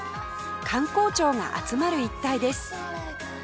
官公庁が集まる一帯です